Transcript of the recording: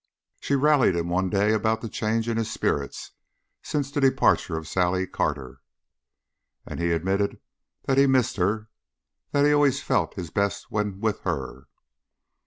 She rallied him one day about the change in his spirits since the departure of Sally Carter, and he admitted that he missed her, that he always felt his best when with her.